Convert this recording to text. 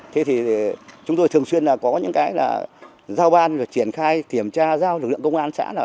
thế thì chúng tôi thường xuyên là có những cái là giao ban và triển khai kiểm tra giao lực lượng công an xã